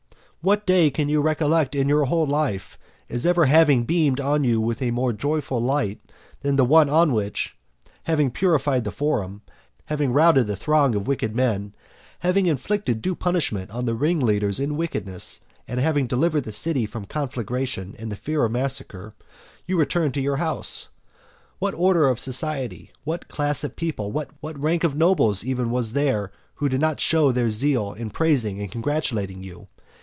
What day can you recollect in your whole life, as ever having beamed on you with a more joyful light than the one on which, having purified the forum, having routed the throng of wicked men, having inflicted due punishment on the ringleaders in wickedness, and having delivered the city from conflagration and from fear of massacre, you returned to your house? What order of society, what class of people, what rank of nobles even was there who did not then show their zeal in praising and congratulating you?